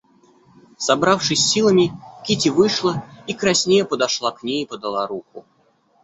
Собравшись с силами, Кити вышла и краснея подошла к ней и подала руку.